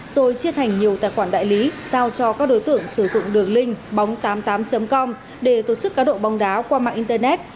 rồi chia thành nhiều tài khoản đại lý giao cho các đối tượng sử dụng đường link bóng tám mươi tám com để tổ chức cá độ bóng đá qua mạng internet